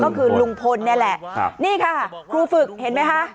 ก็คือลุงพลนี่แหละครับนี่ค่ะครูฝึกเห็นไหมคะ